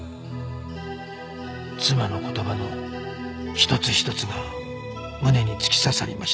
妻の言葉の一つ一つが胸に突き刺さりました